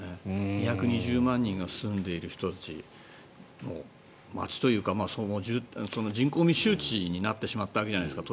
２２０万人が住んでいる街というか人口密集地になってしまったわけじゃないですか。